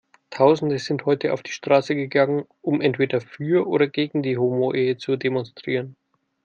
Tausende sind heute auf die Straße gegangen, um entweder für oder gegen die Homoehe zu demonstrieren.